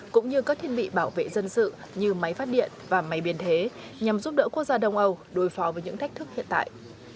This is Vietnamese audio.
cũng như các thiết bị bảo vệ dân sự như máy phát điện và máy biên thế nhằm giúp đỡ quốc gia đông âu đối phó với những thách thức hiện tại